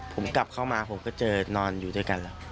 ผมกลับเข้ามาผมก็เจอนอนอยู่ด้วยกันแล้ว